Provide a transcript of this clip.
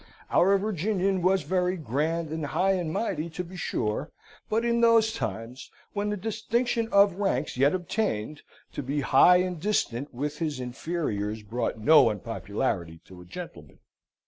Our Virginian was very grand, and high and mighty, to be sure; but, in those times, when the distinction of ranks yet obtained, to be high and distant with his inferiors, brought no unpopularity to a gentleman.